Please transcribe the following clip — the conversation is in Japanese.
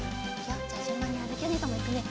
じゃあじゅんばんにあづきおねえさんもいくね。